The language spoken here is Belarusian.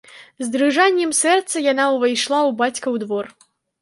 З дрыжаннем сэрца яна ўвайшла ў бацькаў двор.